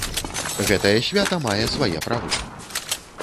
Гэтае свята мае свае правы.